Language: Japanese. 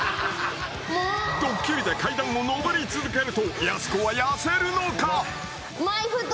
ドッキリで階段を上り続けるとやす子は痩せるのか？